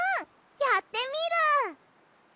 やってみる！